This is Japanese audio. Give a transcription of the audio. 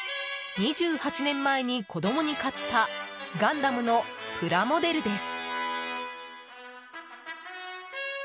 ２８年前に、子供に買ったガンダムのプラモデルです。